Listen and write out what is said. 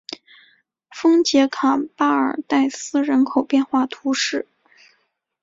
丰捷卡巴尔代斯人口变化图示